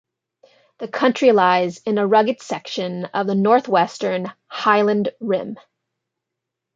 The county lies in a rugged section of the northwestern Highland Rim.